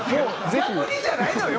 「逆に」じゃないのよ。